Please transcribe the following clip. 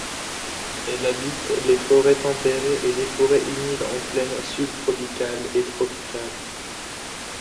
Elle habite les forêts tempérées et les forêts humides en plaines subtropicales et tropicales.